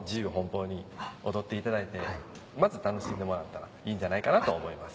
踊っていただいてまず楽しんでもらったらいいんじゃないかなと思います。